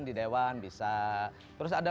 di dewan bisa terus ada